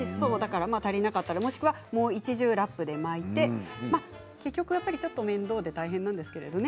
足りなかったら、もしくはもう一重ラップで巻いて結局ちょっと面倒で大変なんですけれどね。